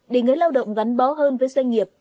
để người lao động gắn bó hơn với doanh nghiệp